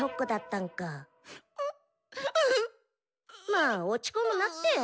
まあ落ち込むなって。